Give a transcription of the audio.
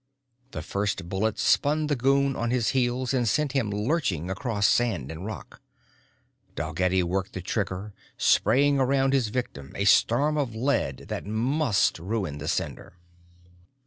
The first bullet spun the goon on his heels and sent him lurching across sand and rock. Dalgetty worked the trigger, spraying around his victim, a storm of lead that must ruin the sender.